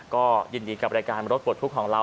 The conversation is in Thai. ก็ยินดีกับรายการรถปลดทุกข์ของเรา